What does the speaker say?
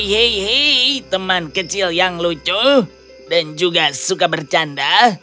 hei hei teman kecil yang lucu dan juga suka bercanda